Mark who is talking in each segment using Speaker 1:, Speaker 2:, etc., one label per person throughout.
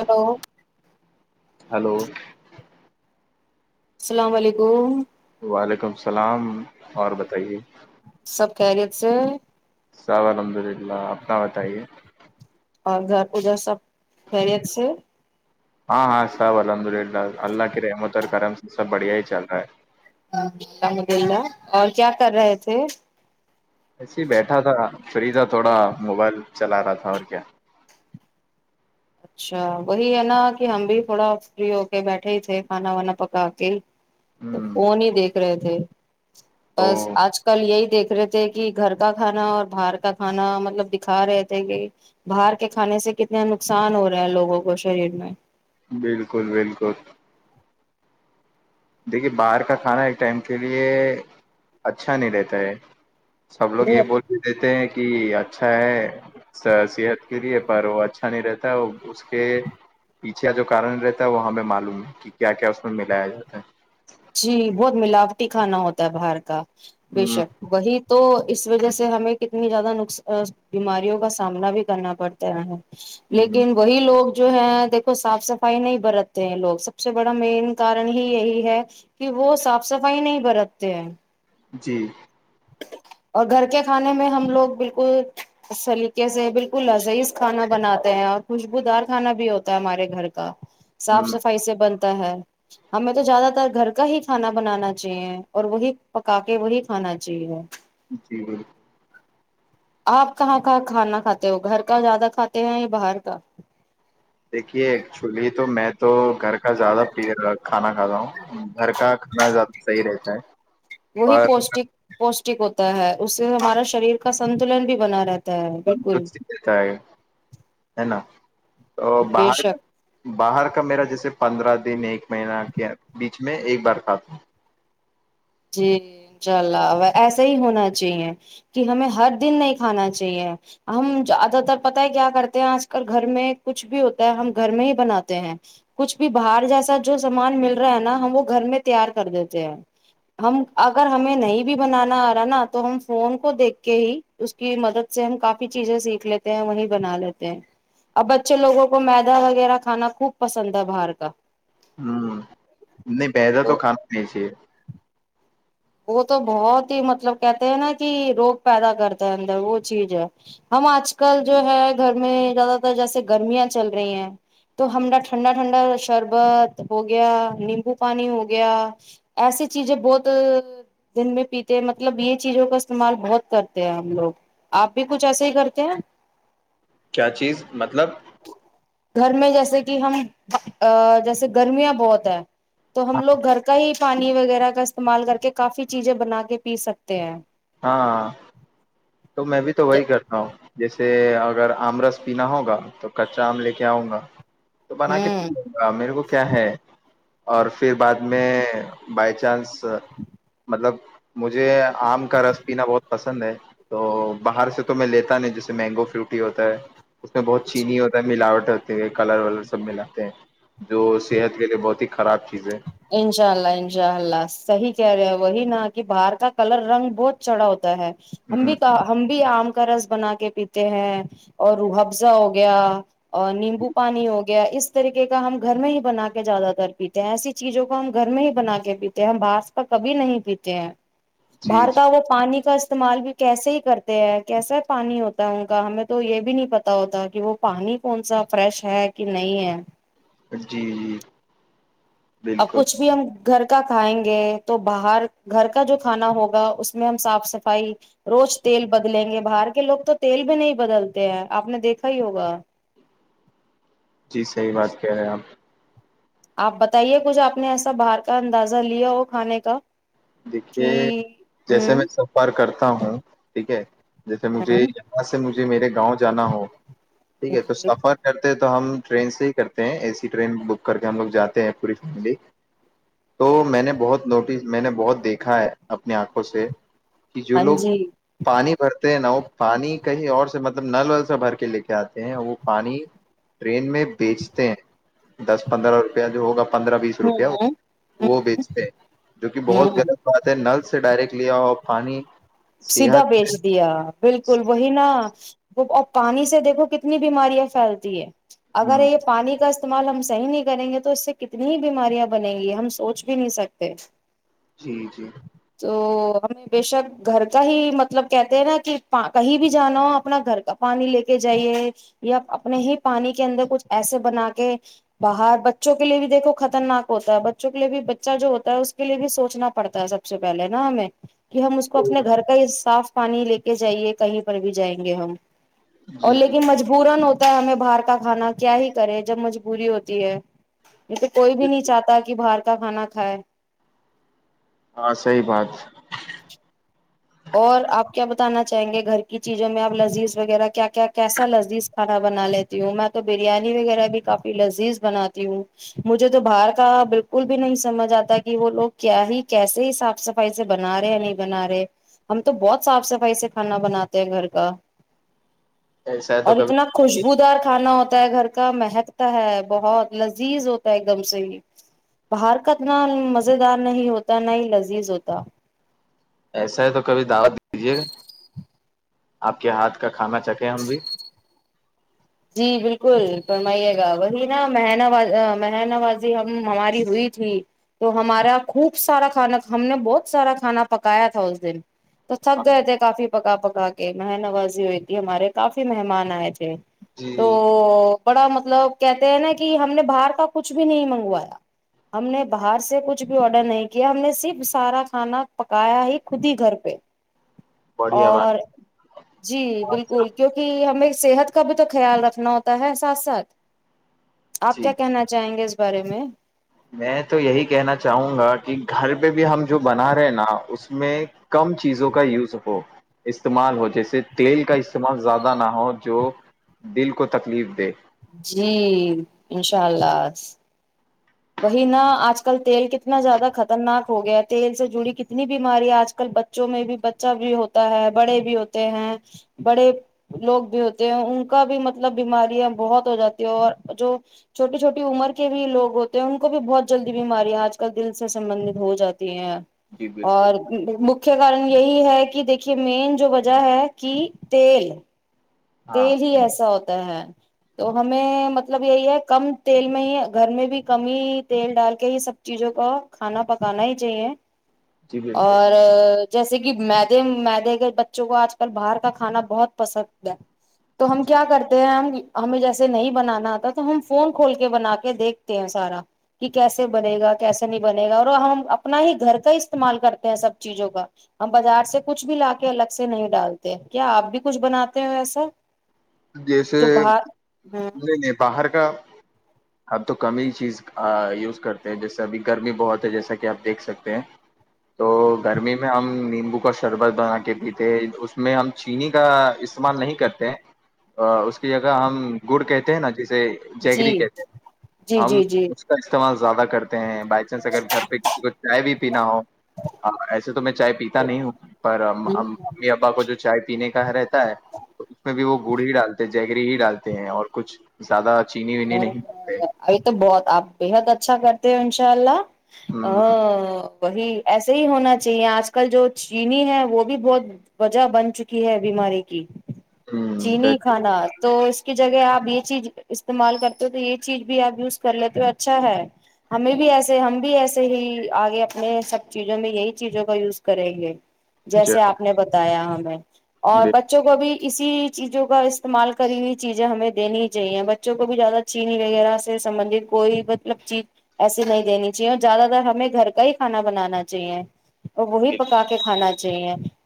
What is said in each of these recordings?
Speaker 1: Hello
Speaker 2: hello
Speaker 1: السلام علیکم
Speaker 2: وعلیکم السلام اور بتائیے
Speaker 1: سب کہریت سے
Speaker 2: س الحمد للہ اپنا بتائیے
Speaker 1: اور گھر اجھر سب خیریت سے
Speaker 2: ہاں ہاں سب الحمد للہ اللہ کی رحمت اور کرم سے سب بڑھیا ہی چل رہا ہے
Speaker 1: الحمد للہ اور کیا کر رہے تھے
Speaker 2: ایسے ہی بیٹھا تھا فری تھا تھوڑا موبائل چلا رہا تھا اور کیا
Speaker 1: اچھا وہی ہے نا کہ ہم بھی تھوڑا فری ہو کے بیٹھے ہی تھے کھانا وانا پکا کے تو
Speaker 2: ہوں
Speaker 1: وہ نہیں دیکھ رہے تھے
Speaker 2: تو
Speaker 1: بس آج کل یہی دیکھ د رہے تھے کہ گھر کا کھانا اور باہر کا کھانا مطلب دکھا رہے تھے کہ باہر کے کھانے سے کتنے نقصان نقصان ہو رہا ہے لوگوں کو شریر میں
Speaker 2: بالکل بالکل دیکھیے باہر کا کھانا ایک ٹائم کے لیے اچھا نہیں رہتا ہے سب لوگ
Speaker 1: میں
Speaker 2: یہ بول بھی دیتے ہیں کہ اچھا ہے صحت کے لیے پر وہ اچھا نہیں رہتا اس کے پیچھے جو کارن رہتا ہے وہ ہمیں معلوم ہے کہ کیا کیا اس میں ملایا جاتا ہے
Speaker 1: جی بہت ملاوٹی کھانا ہوتا ہے باہر کا بے
Speaker 2: ہوں
Speaker 1: شک وہی تو اس وجہ سے ہمیں کتنی زیادہ ن بیماریوں کا سامنا بھی کرنا پڑتا ہے
Speaker 2: ہ
Speaker 1: لیکن وہی لوگ جو ہے دیکھو صاف صفائی نہیں برتتے ہیں لوگ سب سے بڑا مین کارن ہی یہی ہے کہ وہ صاف صفائی نہیں برتتے ہیں
Speaker 2: جی
Speaker 1: اور گھر کے کھانے میں ہم لوگ بالکل سلیقے سے بالکل لذیز کھانا بناتے ہیں اور خوشبودار کھانا بھی ہوتا ہے ہمارے گھر کا صاف
Speaker 2: ہ
Speaker 1: صفائی سے بن ہمیں تو زیادہ تر گھر کا ہی کھانا بنانا چاہیے اور وہی پکا کے وہی کھانا جی ہاں
Speaker 2: جی ب
Speaker 1: آپ کہاں کہاں کھانا کھاتے ہو گھر کا زیادہ کھاتے ہیں یا باہر کا
Speaker 2: دیکھیے ایکچولی تو میں تو گھر زیادہ پ کھانا کھاتا ہوں گھر کا کھانا زیادہ صحیح رہتا ہے
Speaker 1: وہی
Speaker 2: اور
Speaker 1: پوشٹک پ ٹ ہوتا ہے اس سے ہمارا شریر کا سنتلن بھی بنا رہ تھا
Speaker 2: تا ہے ہے نا [unintelligible] تو
Speaker 1: بے
Speaker 2: باہر
Speaker 1: شک
Speaker 2: باہر کا میرا جیسے پندرہ دن ایک مہینہ کے بیچ میں ایک بار ک تھا ہ
Speaker 1: جی انشاء اللہ ایسا ہی ہونا چاہیے کہ ہمیں ہر دن نہیں کھانا چاہیے ہم زیادہ تر پتا ہے کیا کرتے ہیں آج کل گھر میں کچھ بھی ہوتا ہے ہم گھر میں ہی بناتے ہیں کچھ بھی باہر جیسا جو سامان مل رہا ہے نا ہم وہ گھر میں تیار کر دیتے ہیں ہم اگر ہمیں نہیں بھی بنانا آ رہا نا تو ہم فون کو دیکھ کے ہی اس کی مدد سے ہم کافی چیزیں سیکھ لیتے ہیں وہیں بنا لیتے ہیں اب بچے لوگوں کو میدا وغیرہ کھانا خوب پسند ہے باہر کا
Speaker 2: ہ نہیں پہیدا تو کھانا نہیں چ [unintelligible]
Speaker 1: وہ تو بہت ہی مطلب کہتے ہیں نا کہ روگ پیدا کرتا ہے اندر وہ چیز ہے ہم آج کل جو ہے گھر میں زیادہ تر جیسے گرمیاں چل رہی ہیں تو ہما ٹھنڈا ٹھنڈا شربت ہو گیا نیمبو پانی ہو گیا ایسی چیزیں بہت دن میں پیتے مطلب یہ چیزوں کا استعمال بہت کرتے ہیں ہم لوگ آپ بھی کچھ ایسے ہی کرتے ہیں
Speaker 2: کیا چیز مطلب؟
Speaker 1: گھر میں جیسے کہ ہم جیسے گرمیاں بہت ہے تو ہم لوگ گھر کا ہی پانی وغیرہ کا استعمال کر کے [unintelligible] کافی چیزیں بنا کے پی سکتے ہیں
Speaker 2: ہاں [unintelligible] تو میں بھی تو وہی کرتا ہوں جیسے اگر آمرس پینا ہوگا تو کچا آم لے کے آؤں گا تو بنا کے پی
Speaker 1: ہوں
Speaker 2: لوں گا میرے کو کیا ہے اور پھر بعد میں بائی چانس مطلب مجھے آم کا رس پینا بہت پسند ہے تو باہر سے تو میں لیتا نہیں جیسے مینگو فروٹی ہوتا ہے اس میں بہت چینی ہوتا ہے ملاوٹ ہو کلر ور سب ملاتے ہیں جو صحت کے لیے بہت ہی خراب چیز ہے
Speaker 1: انشاء اللہ انشاء اللہ صحیح کہہ رہے وہی نا کہ باہر کا کلر رنگ بہت چڑا ہوتا ہے ہم
Speaker 2: ہ
Speaker 1: بھی تو ہم بھی آم [unintelligible] کا رس بنا کے پیتے ہیں اور روحفزہ ہو گیا اور نیمبو پانی ہو گیا اس طریق کا ہم گھر میں ہی بنا کے زیادہ تر پیتے ہیں ایسی چیزوں کو ہم گھر میں ہی بنا کے پیتے ہیں ہم باس پر کبھی نہیں پیتے ہیں
Speaker 2: جی
Speaker 1: باہر کا وہ پانی کا استعمال بھی کیسے ہی کرتے ہیں کیسا پانی ہوتا ہے ان کا ہمیں تو یہ بھی نہیں پتا ہوتا کہ وہ پانی کون سا فریش ہے کہ نہیں ہے
Speaker 2: جی جی
Speaker 1: اب
Speaker 2: بالکل
Speaker 1: کچھ بھی ہم گھر کا کھائیں گے تو باہر گھر کا جو کھانا ہوگا اس میں ہم صاف صفائی روز تیل بدلیں گے باہر کے لوگ تو تیل بھی نہیں بدلتے ہیں آپ نے دیکھا ہی ہوگا
Speaker 2: جی صحیح بات کہہ رہے ہیں آپ
Speaker 1: آپ بتائیے کچھ آپ نے ایسا باہر کا اندازہ لیا ہو کھانے کا
Speaker 2: دیکھیے
Speaker 1: کہ
Speaker 2: جیسے میں
Speaker 1: ہوں
Speaker 2: سفر کرتا ہوں ٹھیک ہے جیسے مجھے
Speaker 1: ہاں
Speaker 2: یہاں سے مجھے [unintelligible] میرے گاؤں جانا ہو [unintelligible] ٹھیک ہے تو
Speaker 1: جی
Speaker 2: سفر کرتے [unintelligible] ہم ٹرین سے ہی کرتے ہیں ای سی ٹرین بک کر کے ہم لوگ جاتے ہیں پوری فیملی تو میں نے بہت نوٹس میں نے بہت دیکھا ہے اپنی آنکھوں سے کہ جو
Speaker 1: ہاں
Speaker 2: لوگ
Speaker 1: جی
Speaker 2: پانی بھرتے ہیں نا وہ پانی کہیں اور سے مطلب نل ول سے بھر کے لے کے آتے ہیں وہ پانی ٹرین میں بیچتے ہیں دس پندرہ روپیہ جو ہوگا پندرہ بیس
Speaker 1: ہوں
Speaker 2: روپیہ
Speaker 1: ہوں ہ
Speaker 2: وہ بیچتے ہیں جو
Speaker 1: ہ
Speaker 2: بہت
Speaker 1: ہ
Speaker 2: غط بات ہے نل سے ڈائریکٹ لیا اور پانی
Speaker 1: سیدھا
Speaker 2: صحت
Speaker 1: بیچ
Speaker 2: پہ-
Speaker 1: دیا بالکل وہی نا اور پانی سے دیکھو کتنی بیماریاں پھیلتی ہے اگر
Speaker 2: ہوں،
Speaker 1: یہ پانی کا استعمال ہم صحیح نہیں کریں گے تو اس سے کتنی بیماریاں بنیں گی ہم سوچ بھی نہیں سکتے
Speaker 2: [unintelligible]
Speaker 1: تو ہمیں بشک گھر کا ہی مطلب کہتے ہیں نا کہ کہیں بھی جانا ہو اپنا گھر کا پانی لے کے جائیے یا اپنے ہی پانی کے اندر کچھ ایسے بنا کے باہر بچوں کے لیے بھی دیکھو خطرناک ہوتا ہے بچوں کے لیے بھی بچہ جو ہوتا ہے اس کے لیے بھی سوچنا پڑتا ہے سب سے پہلے نا ہمیں کہ کو اپنے گھر کا یہ صاف پانی لے کے جائیے کہیں پر بھی جائیں گے ہم
Speaker 2: جی
Speaker 1: اور
Speaker 2: جی،
Speaker 1: لیکن مجبورن ہوتا ہمیں باہر کا کھانا کیا ہی کرے جب مجبوری ہوتی ہے یہ تو کوئی بھی نہیں چاہتا کہ باہار کتاا کھانا کائے
Speaker 2: ہاں صحی بات
Speaker 1: اور اپ کیا بتانا چاہیں گے گھر کی چیزوں میں اب لذیذ وغیرہ کیا کیا کیسا لذی سارا بنا لیتی ہوں میں تو بریانی وغیرہ بھی کافی لذیذ بناتی ہوں مجھے تو باہر کا بالکل بھی نہیں سمجھ اتا کہ وہ لوگ کیا ہی کیسے صاف صفائی سے بنا رہے ہیں یا نہیں بنا رہے ہم تو بہت صاف صفائی سے کھانا بناتے ہیں گھر کا
Speaker 2: ایسا ہے تو
Speaker 1: اور اتنا
Speaker 2: کبھی
Speaker 1: خوشبوودار کھانا ہوتا ہوتا ہے گھر کا مہکتا ہے بہت لذیذ ہوتا ہے ایک دم سے ہی باہر کا اتنا مز دار نہیں ہوتا نہ ہی لذیذ ہوتا
Speaker 2: ایسا ہے تو کبھی دعوت دیجیے آپ کے ہاتھ کا کھانا چکھے ہم بھی
Speaker 1: جی بالکل فرمائیے گا وہی نا منا محن بازی ہم ہماری ہوئی تھی تو ہمارا خوب سارا کھانا ہم نے بہت سارا کھانا پکایا تھا اس دن تو سب تو ای تھ کافی پکا پکا کے ا مہ نوازی ہوئی تھی ہمارے کافی مہمان آئے تھے [unintelligible]
Speaker 2: جی
Speaker 1: کہتے ہیں نا کہ ہم نے باہر کا کچھ بھی نہیں منگوایا ہم نے باہر سے کچھ بھی آڈر نہیں کیا ہم نے صرف سارا کھانا پکایا ہی خود ہی گھر پہ
Speaker 2: بڑھیا بات ہے۔
Speaker 1: [unintelligible] صحت کب تک خیال رکھنا ہوتا ہے ساتھ ساتھ اپ
Speaker 2: جی
Speaker 1: کیا کہنا چاہیں گے اس بارے میں
Speaker 2: میں تو یہی کہنا چاہوں گا کہ گھر پہ بھی ہم جو بنا رہے ہیں نا اس میں کم چیزوں کا یوز ہو استعمال ہو جیسے تیل کا استعمال زیادہ نہ ہو جو دل کو تکلیف دی
Speaker 1: جی انشاءاللہ وہی نا آج کل تیل کتنا زیادہ خطرناک ہو گیا تیل سے جڑی کتنی بیمارییا آج کل بچوں میں بھی بچہ بھی ہوتا ہے بڑے بھی ہوتے ہیں بڑے لوگ بھی ہوتے ہیں ان کا بھی مطلب بیماریاں بہت ہو لوگ جاتی ہیں اور جو چھوٹی چھوٹی عمر کے بھی گ ہوتے تو ان کو بھی بہت جلدی بیماریاں آج کل دل سے سبندت ہو جاتی ہیں
Speaker 2: جی بالکل
Speaker 1: اور مکھ کارن یہی ہے کہ دیکھیے مین جو وجہ ہے کہ تیل
Speaker 2: ہاں
Speaker 1: تیری ہی ایسا ہ ہے تو ہمیں مطلب یہی ہے کم تیل میں ہی گھر میں بھی کم ہی تیل ڈال کے ہی سب چیزوں کو کھانا پکانا ہی چاہیے
Speaker 2: جی بالکل
Speaker 1: اور جیسے کہ مدے مدے کے بچوں کو آج کل باہر کا کھانا بہت پسند ہے تو ہم کیا کرتے ہیں ہم ہمیں جیسے نہیں بنانا آتا تو ہم فون کھول کے بنا کے دیکھتے ہیں سارا کہ کیسے بنے گا کیسے نہیں بنے گا اور ہم اپنا ہی گھر کا استعمال کرتے ہیں سب چیزوں کا ہم بازار سے کچھ بھی لا کے الگ سے نہیں ڈالتے کیا آپ بھی کچھ بناتے ہیں ویسے تو
Speaker 2: جیسے نہیں نے باہر کا اب تو کم ہی چیز یوز کرتے ہیں جیسے ابھی گرمی بہت ہے جیسا کہ آپ دیکھ سکتے ہے تو گرمی میں ہم نمبو کا شربت بنا کے پیتے اس میں ہم چینی کا استعمال نہیں کرتے ہیں اس کی جگہ ہم گڑ کہتے ہیں نا جسے
Speaker 1: جی
Speaker 2: جگری کہتے ہیں
Speaker 1: جی
Speaker 2: ہم
Speaker 1: جی جی
Speaker 2: اس کا استعمال زیادہ کرتے ہی ہے بائی چانس اگر گھر پہ کسی کو چائے بھی پینا ہو ایسے تو میں چائے پیتا نہیں ہوں پر
Speaker 1: ہوں
Speaker 2: ممی ابا کو جو چائے پینے کا رہتا ہے تو اس میں بھی گڑی ڈالتے ہیں جگری ہی ڈالتے ہیں اور کچھ زیادہ چینی وینی
Speaker 1: ا
Speaker 2: نہیں ڈالتے
Speaker 1: ابھی تو بہت آپ بےحد اچھا کر انشاءاللہ آ
Speaker 2: ہوں
Speaker 1: وہی ایسے ہی ہونا چاہیے آج کل جو چینی ہے وہ بھی بہت وجہ بن چکی ہے بیماری کی چینی کھانا تو کی جگہ آپ یہ چیز اس استعمال کرتے ہو تو یہ چیز بھی آپ یوز کر لیتے ہو اچھا ہے ہمیں بھی ایسے ہم بھی ایسے ہی آگے اپنے سب چیزوں میں یہی چیزوں کا یوز کریں گی جیسے
Speaker 2: ہوں
Speaker 1: آپ نے بتایا ہم اور بچوں کو بھی اسی چیزوں کا استعمال کری ہوئی چیزیں ہمیں دینی چاہیے ب بچوں کو بھی زیادہ چینی وغیرہ سے سبندت کوئی مطلب چیز ایسے نہیں دینی چاہیے اور زیادہ تر ہمیں گھر کا ہی کھانا بنانا چاہیے وہی پکا کے کانا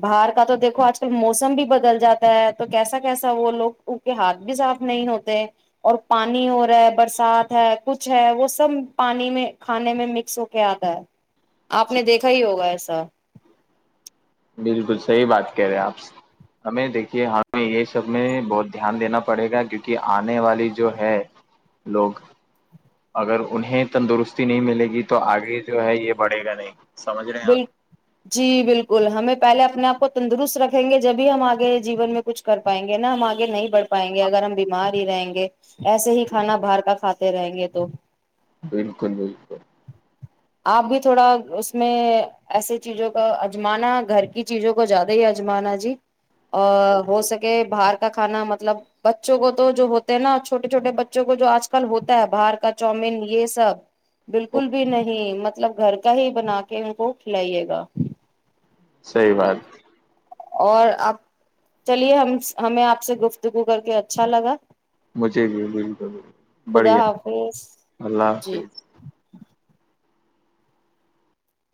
Speaker 1: باہر کا تو دیکھو آج کل موسم بھی بدل جاتا ہے تو کیسا کیسا وہ لوگ ان کے ہاتھ بھی صاف نہیں ہوتے اور پانی ہو رہا ہے برسات ہے کچھ ہے وہ سب پانی میں کھانے میں مکس ہو کے آتا ہے آپ نے دیکھا ہی ہوگا ایسا
Speaker 2: بالکل صحی بات کہہ رہے آپ ہمیں دیکھیے ہمیں یہ سب میں بہت دھیان دینا پڑے گا کیونکہ آنے والی جو ہے لوگ اگر انہیں تندرستی نہیں ملے گی تو آگے جو ہے یہ بڑھے گا نہیں سمجھ رہے ہیں آپ
Speaker 1: بال جی بالکل ہمیں پہلے اپنے آپ کو تندرست رکھیں گے جبھی ہم آگے جیون میں کچھ کر پائیں گے نا ہم آگے نہیں بڑھ پائیں گے اگر ہم بیمار رہیں گے ایسے ہی کھانا باہر کا کھاتے رہیں گے تو
Speaker 2: بالکل بالکل
Speaker 1: آپ بھی تھوڑا اس اس میں ایسے چیزوں کا اجمانا گھر کی چیزوں کو زیادہ ہی اجمانا جی ا ہو سکے بھارت کا کھانا مطلب بچوں کو تو جو ہوتا ہے نا چھوٹے چھوٹے بچوں کو جو آج کل ہوتا ہے باہار کا چاؤمین یہ سب بالکل بھی نہیں م مطلب گھر کا ہی بنا کے کہ ان کو کھلائیے گا
Speaker 2: صی بات
Speaker 1: اور آپ چلیے ہم ہمیں آپ سے گفتگو کر کے اچھا لگا
Speaker 2: مجھے بھی بالکل بالکل
Speaker 1: خدا
Speaker 2: بڑھیا
Speaker 1: حافظ
Speaker 2: اللہ
Speaker 1: جی
Speaker 2: حافظ